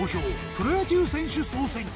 プロ野球選手総選挙